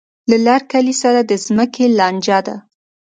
له لر کلي سره د ځمکې لانجه ده.